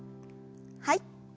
はい。